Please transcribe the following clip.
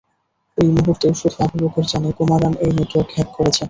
এই মুহুর্তে, শুধু আবু বকর জানে কুমারান এই নেটওয়ার্ক হ্যাক করেছে।